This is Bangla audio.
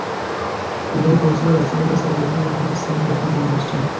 কুবায় পৌঁছলে রাসূল সাল্লাল্লাহু আলাইহি ওয়াসাল্লাম দেখলেন, তিনি আসছেন।